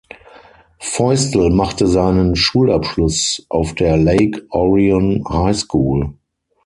Feustel machte seinen Schulabschluss auf der Lake Orion High School.